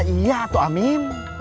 ya iya atau amin